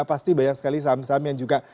pasti banyak sekali saham saham yang juga